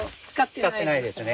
使ってないですね。